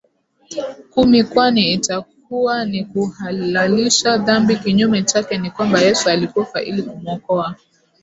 kumi kwani itakuwa ni kuhalalisha dhambi Kinyume chake ni kwamba Yesu alikufa ili kumwokoa